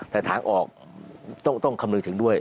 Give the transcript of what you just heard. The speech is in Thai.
แต่ทางออกต้องคำนึงถึงด้วย